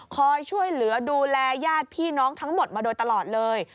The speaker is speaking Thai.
คอยช่วยเหลือดูแลญาติพี่น้องทั้งหมดมาโดยตลอดเลย